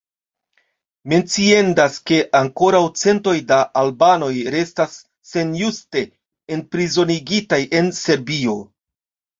Menciendas ke ankoraŭ centoj da albanoj restas senjuste enprizonigitaj en Serbio.